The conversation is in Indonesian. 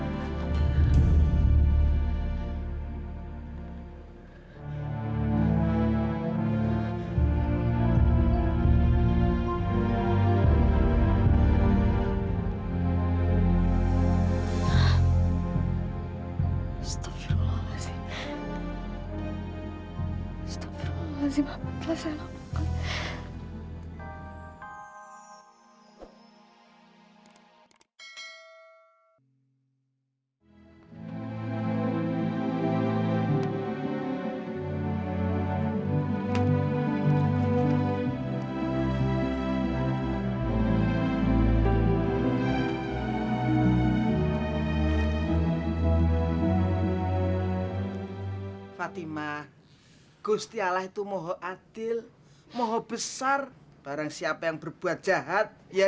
sampai jumpa di video selanjutnya